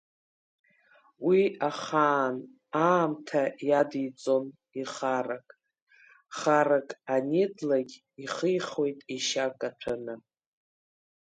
Уи, ахаан, аамҭа иадиҵом ихарак, харак анидлагь, ихихуеит ишьа каҭәаны.